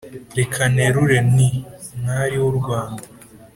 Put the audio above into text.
reka nterure nti: mwari w’u rwanda,